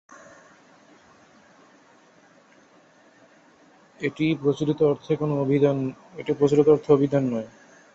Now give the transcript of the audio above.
এটি প্রচলিত অর্থে অভিধান নয়।